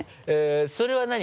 それは何？